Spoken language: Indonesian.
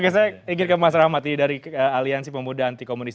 oke saya ingin ke mas rahmat ini dari aliansi pemuda anti komunis